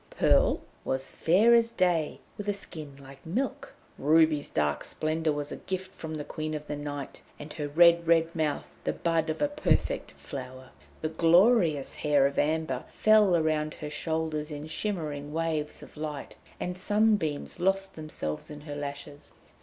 Pearl was fair as day, with a skin like milk; Ruby's dark splendour was a gift from the Queen of Night, and her red, red mouth the bud of a perfect flower. The glorious hair of Amber fell round her shoulders in shimmering waves of light, and sunbeams lost themselves in her lashes.